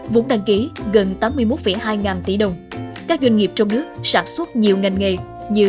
vốn đăng ký gần tám mươi một hai ngàn tỷ đồng các doanh nghiệp trong nước sản xuất nhiều ngành nghề như